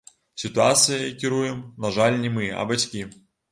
Сітуацыяй кіруем, на жаль, не мы, а бацькі.